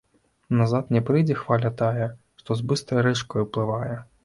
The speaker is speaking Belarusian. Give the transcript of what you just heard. Назад ня прыйдзе хваля тая, што з быстрай рэчкай уплывае